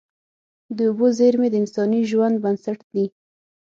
د اوبو زیرمې د انساني ژوند بنسټ دي.